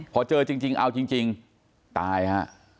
พอเจอจริงเอาจริงตายฮะ